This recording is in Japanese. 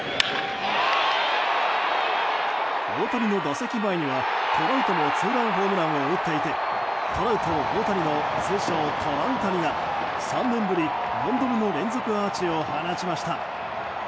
大谷の打席前には、トラウトもツーランホームランを打っていてトラウト、大谷通称トラウタニが３年ぶり４度目の連続アーチを放ちました。